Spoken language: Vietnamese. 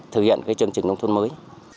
thực hiện cái chương trình nông thôn mới